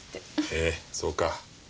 へえそうか。